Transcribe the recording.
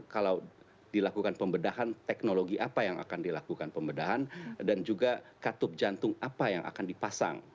kalau dilakukan pembedahan teknologi apa yang akan dilakukan pembedahan dan juga katup jantung apa yang akan dipasang